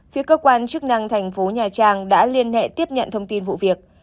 phía cơ quan chức năng thành phố nhà trang đã liên hệ tiếp nhận thông tin vụ việc